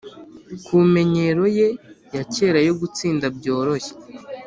kumenyero ye ya kera yo gutsinda byoroshye.